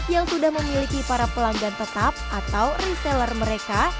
yang sudah memiliki para pelanggan tetap atau reseller mereka